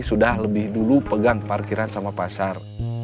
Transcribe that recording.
sudah lebih dulu pegang parkiran sama pasar